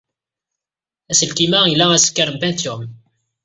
Aselkim-a ila asekkar n Pentium.